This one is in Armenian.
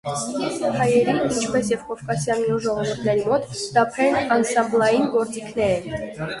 Հայերի, ինչպես և կովկասյան մյուս ժողովուրդների մոտ դափերն անսամբլային գործիքներ են։